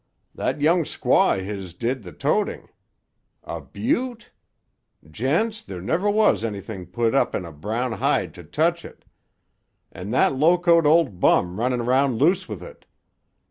"That young squaw o' his did the toting. A beaut'? Gents, there never was anything put up in a brown hide to touch it. An' that locoed ol' bum running 'round loose with it.